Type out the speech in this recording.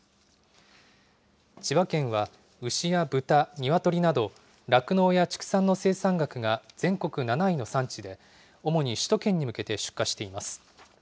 千葉県は、ウシやブタ、ニワトリなど、酪農や畜産の生産額が全国７位の産地で、主に首都圏に向けて出荷しています。